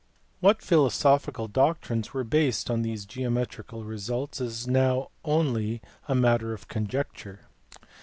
What philosophical doctrines were based on these geometrical results is now only a matter of conjecture.